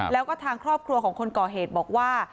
แล้วก็ทางครอบครัวของคนก่อเหตุบอกว่า